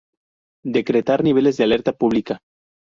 Decretar niveles de alerta pública.